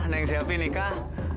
neng siapin nih kak